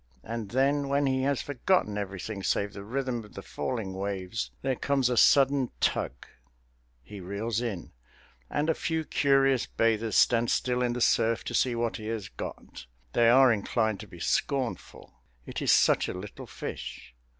And then, when he has forgotten everything save the rhythm of the falling waves, there comes a sudden tug He reels in, and a few curious bathers stand still in the surf to see what he has got. They are inclined to be scornful. It is such a little fish!